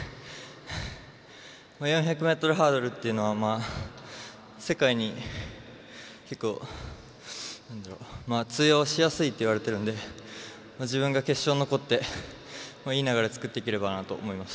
４００ｍハードルっていうのは世界に結構、通用しないと言われているので自分が決勝残っていい流れを作っていければなと思います。